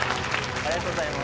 ありがとうございます。